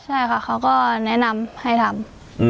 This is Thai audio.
ใช่ค่ะเขาก็แนะนำให้ทำ